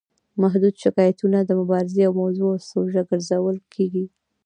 محدود شکایتونه د مبارزې موضوع او سوژه ګرځول کیږي.